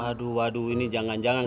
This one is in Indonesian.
aduh waduh ini jangan jangan